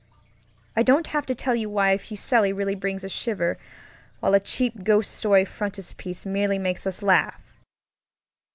I don't have to tell you why a Fuseli really brings a shiver while a cheap ghost story frontispiece merely makes us laugh.